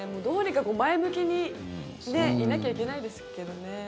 どうにか前向きでいなきゃいけないですけどね。